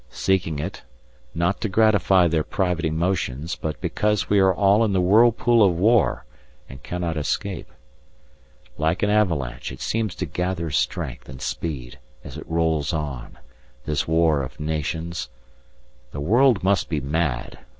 Seeking it, not to gratify their private emotions, but because we are all in the whirlpool of War and cannot escape. Like an avalanche, it seems to gather strength and speed as it rolls on, this War of Nations. The world must be mad!